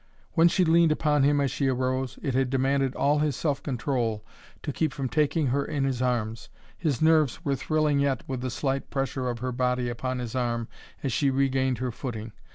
When she leaned upon him as she arose, it had demanded all his self control to keep from taking her in his arms. His nerves were thrilling yet with the slight pressure of her body upon his arm as she regained her footing.